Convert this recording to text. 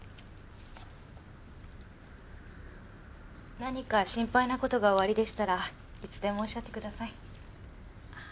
何か心配な事がおありでしたらいつでもおっしゃってください。